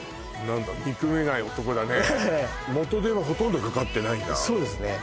何だ憎めない男だね元手はほとんどかかってないんだそうですね